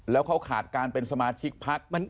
แล้วเขาขาดการเป็นสมาชิกพัก